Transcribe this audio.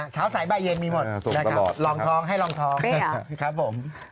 เช้าใสบายเย็นมีหมดลองทองให้ลองทอง